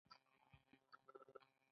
ټوله شپه د جملو په اپلوډ بوخت وم.